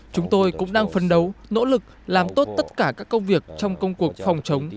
chúng tôi cũng đang phấn đấu nỗ lực làm tốt tất cả các công việc trong công cuộc phòng chống